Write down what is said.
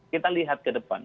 kita lihat ke depan